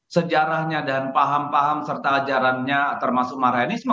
sejarahnya dan paham paham serta ajarannya termasuk maranisme